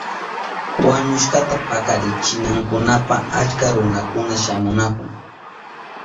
Wañushkata pakarichinankunapa achka runakuna shamunahun.